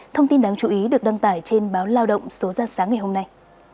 thông tin đáng chú ý được đăng tải trên báo lao động số ra sáng ngày hôm nay